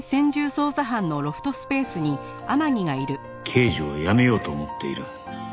「刑事を辞めようと思っている」